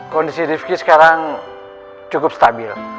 kondisi rifki sekarang cukup stabil